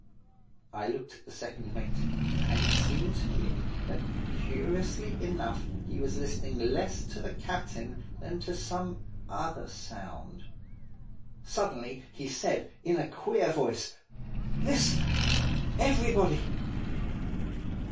"I looked at the second mate, and it seemed to me that, curiously enough he was listening less to the captain than to some other sound. Suddenly he said, in a queer voice, 'Listen, everybody!